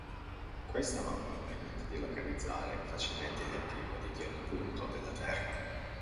Questa mappa permette di localizzare facilmente gli antipodi di ogni punto della Terra.